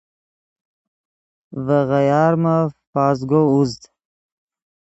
ڤے غیارمف پزگو اوزد